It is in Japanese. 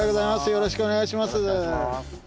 よろしくお願いします。